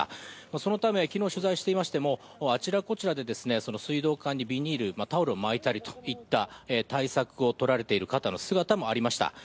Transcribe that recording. そのため、昨日取材していましてもあちらこちらで水道管にビニール、タオルを巻いたりといった対策をとられている方の姿もありました。